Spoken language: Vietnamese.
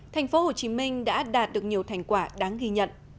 tp hcm đã đạt được nhiều thành quả đáng ghi nhận